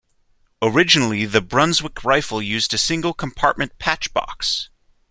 Originally, the Brunswick rifle used a single compartment patch box.